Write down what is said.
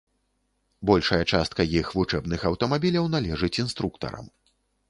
Большая частка іх вучэбных аўтамабіляў належыць інструктарам.